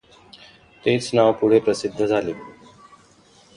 तेच नाव पुढे प्रसिद्ध झाले.